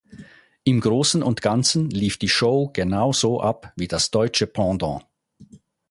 Im Großen und Ganzen lief die Show genau so ab wie das deutsche Pendant.